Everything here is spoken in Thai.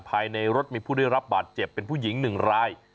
ภายในรถมีผู้ได้รับบาดเจ็บเป็นผู้หญิง๑ราย